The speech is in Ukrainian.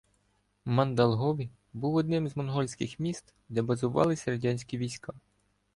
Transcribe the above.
Мандалговь був одним з монгольських міст де базувались радянські війська.